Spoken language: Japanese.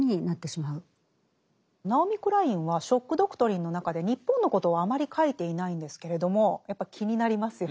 ナオミ・クラインは「ショック・ドクトリン」の中で日本のことをあまり書いていないんですけれどもやっぱり気になりますよね。